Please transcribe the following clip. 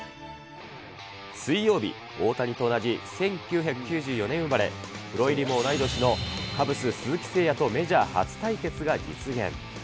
水曜日、大谷と同じ１９９４年生まれ、プロ入りも同い年のカブス、鈴木誠也とメジャー初対決が実現。